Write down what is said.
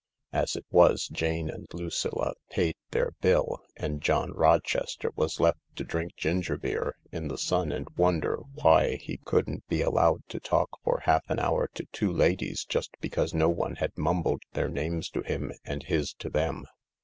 As it was, Jane and Lucilla paid their bill and John Roch ester was left to drink gingerbeer in the sun and wonder why he couldn't be allowed to talk for half an hour to two ladies just because no one had mumbled their names to him and his to them.